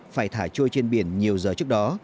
phải thả trôi trên biển nhiều giờ trước đó